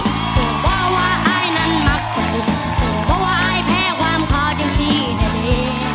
โอ๊ยบ่าว่าอายนั้นมัคตุกฤทธิ์โอ๊ยบ่าว่าอายแพ้ความขอจริงสิท่าเด่